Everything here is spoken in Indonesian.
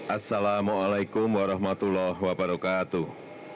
assalamualaikum warahmatullahi wabarakatuh